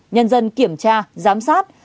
nhân dân kiểm tra giám sát